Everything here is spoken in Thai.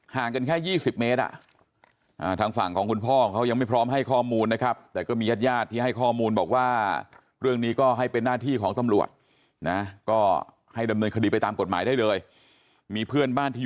หรือมันไม่หมดหรอกแต่มันก็น้อยลง